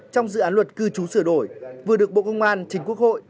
trong dự án luật cư trú sửa đổi vừa được bộ công an trình quốc hội